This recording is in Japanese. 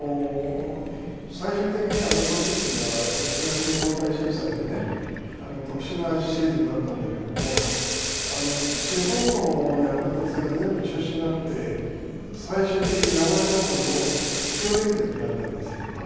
最終的に、あの年は、東日本大震災で特殊なシーズンになったんだけども、地方のヤクルト戦が全部中止になって、最終的にナゴヤドームの９連戦になったんですよ。